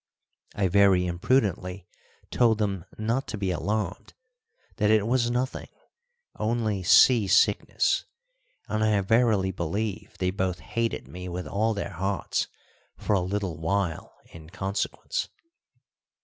I very imprudently told them not to be alarmed, that it was nothing only sea sickness and I verily believe they both hated me with all their hearts for a little while in consequence.